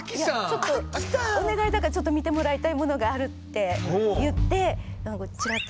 ちょっとお願いだからちょっと見てもらいたいものがあるって言ってちらっとこう。